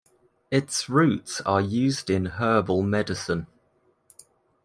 Its roots are used in herbal medicine.